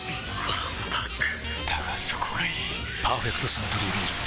わんぱくだがそこがいい「パーフェクトサントリービール糖質ゼロ」